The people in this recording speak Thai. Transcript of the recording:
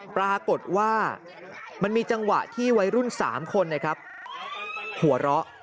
ปรากฏว่ามันมีจังหวะที่วัยรุ่น๓คนหัวเราะ